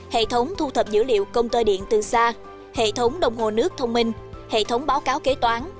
hệ thống thu thập dữ liệu công tơ điện từ xa hệ thống đồng hồ nước thông minh hệ thống báo cáo kế toán